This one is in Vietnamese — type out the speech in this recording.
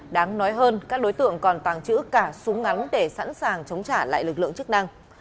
đáng nói hơn các đối tượng còn tàng trữ cả súng ngắn để sẵn sàng chống trả lại lực lượng chức năng